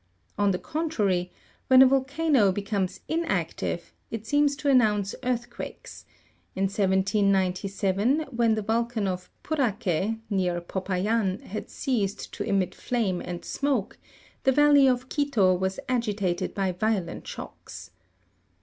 On the contrary, when a volcano becomes inactive, it seems to announce earth quakes ; in 1797, when the volcan of Purace, near Popayan, had ceased to emit flame and smoke, the valley of Quito was agitated by violent shocks.